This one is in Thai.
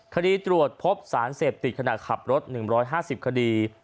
ตรวจพบสารเสพติดขณะขับรถ๑๕๐คดี